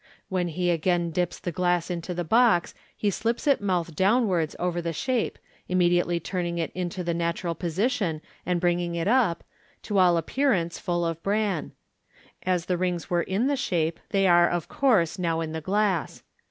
When he again dips the glass into the box, he slips it mouth downwards over the shape, immediately turning it into the natural position, and bringing it up, to all appearance, full of bran As the rings were in the shape, they are, of course, now in the glass.